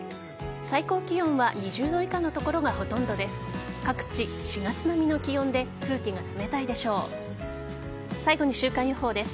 最高気温は２０度以下の所がほとんどです。